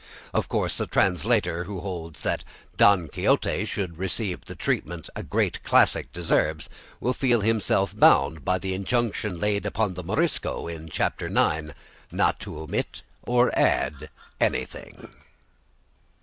Of course a translator who holds that "Don Quixote" should receive the treatment a great classic deserves, will feel himself bound by the injunction laid upon the Morisco in Chap. IX not to omit or add anything.